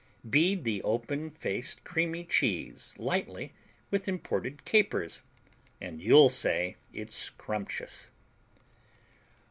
Bead the open faced creamy cheese lightly with imported capers, and you'll say it's scrumptious.